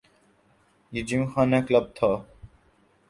یہ gymkhana club تھا۔